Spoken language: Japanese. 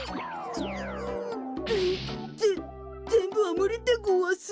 ぜぜんぶはむりでごわす。